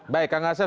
baik kang asep